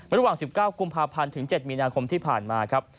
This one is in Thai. ระหว่าง๑๙กุมภาพันธ์ถึง๗มีนาคมที่ผ่านมาครับ